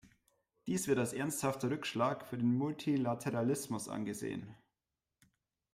Dies wird als ernsthafter Rückschlag für den Multilateralismus angesehen.